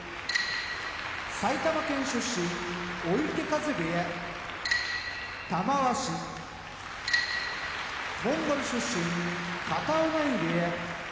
埼玉県出身追手風部屋玉鷲モンゴル出身片男波部屋